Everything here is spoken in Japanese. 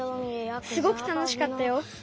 すごくたのしかったよ。